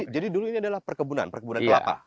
jadi dulu ini adalah perkebunan kelapa